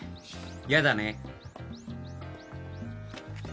やだね。